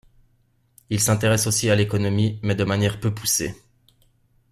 Il s'intéresse aussi à l'économie, mais de manière peu poussée.